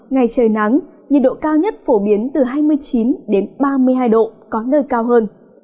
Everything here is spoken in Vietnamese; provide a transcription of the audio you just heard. ngày trời nắng nhiệt độ cao nhất phổ biến từ hai mươi chín ba mươi hai độ có nơi cao hơn